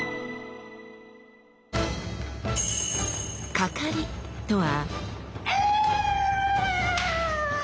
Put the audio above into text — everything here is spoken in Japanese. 「掛かり」とは。